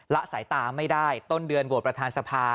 ละสายตาไม่ได้ต้นเดือนโหวตประธานสภา